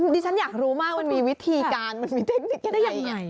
ฉันอยากรู้มากมันมีวิธีการมันมีเทคนิคยังไง